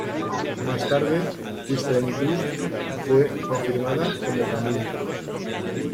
Más tarde Kirsten Dunst fue confirmada como Camille.